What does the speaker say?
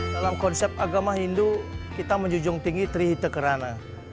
dalam konsep agama hindu kita menjunjung tinggi trihite kerana